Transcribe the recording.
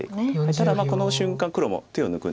ただこの瞬間黒も手を抜くんです。